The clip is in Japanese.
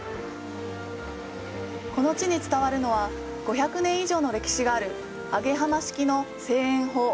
この地に伝わるのは、５００年以上の歴史がある揚げ浜式の製塩法。